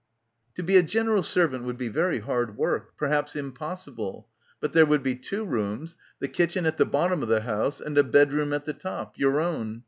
... To be a general servant would be very hard work. Perhaps impossible. But there would be two rooms, the kitchen at the bottom of the house, and a bedroom at the top, your own.